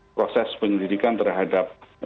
proses penyelidikan terhadap